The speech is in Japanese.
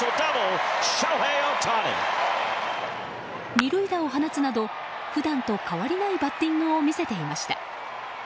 ２塁打を放つなど普段と変わりないバッティングを見せていました。